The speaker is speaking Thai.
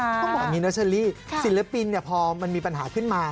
ก็หมอนี่นะเชลลี่ศิลปินเนี่ยพอมันมีปัญหาขึ้นมา